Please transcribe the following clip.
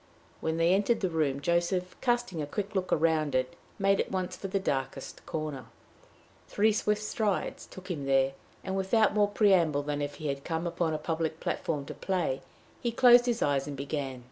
When they entered the room, Joseph, casting a quick look round it, made at once for the darkest corner. Three swift strides took him there; and, without more preamble than if he had come upon a public platform to play, he closed his eyes and began.